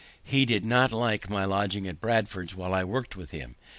He did not like my lodging at Bradford's while I work'd with him.